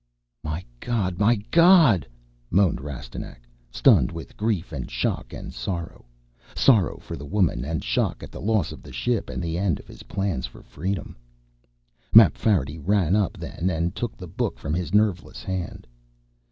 "My God! My God!" moaned Rastignac, stunned with grief and shock and sorrow. Sorrow for the woman and shock at the loss of the ship and the end of his plans for freedom. Mapfarity ran up then and took the book from his nerveless hand.